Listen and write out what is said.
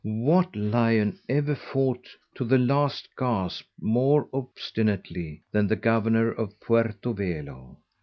What lion ever fought to the last gasp more obstinately than the Governour of Puerto Velo?